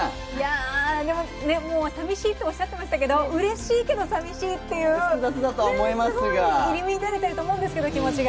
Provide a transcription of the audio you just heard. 寂しいとおっしゃっていましたけどうれしいけど、寂しいっていうね、入り乱れていると思うんですけど、気持ちが。